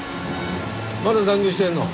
まだ残業してるの？